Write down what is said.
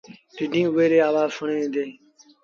رڍينٚ اُئي ريٚ آوآز سُڻيݩ دينٚ